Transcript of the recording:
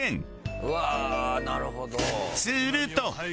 うわあなるほど。